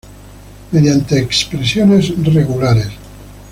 Mediante expresiones regulares.